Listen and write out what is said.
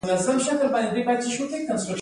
زه د سندرو له لارې خوشحالېږم.